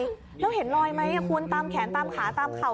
แล้วเห็นรอยไหมคุณตามแขนตามขาตามเข่า